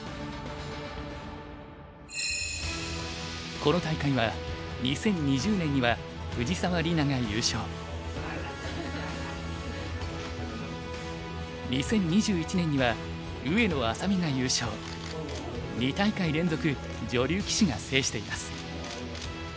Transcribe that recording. この大会は２０２０年には２０２１年には２大会連続女流棋士が制しています。